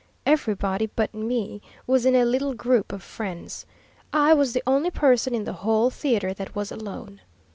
Everybody but me was in a little group of friends. I was the only person in the whole theatre that was alone.